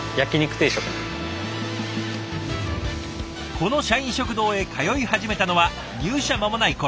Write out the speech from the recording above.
この社員食堂へ通い始めたのは入社間もない頃。